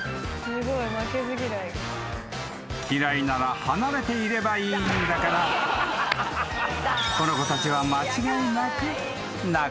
［嫌いなら離れていればいいんだからこの子たちは間違いなく］